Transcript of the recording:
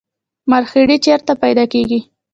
مرخیړي چیرته پیدا کیږي؟